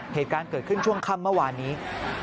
เหตุการณ์เกิดขึ้นช่วงค่ำเมื่อวานนี้